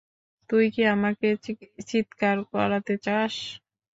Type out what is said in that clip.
তুই কি আমাকে চিৎকার করাতে চাস?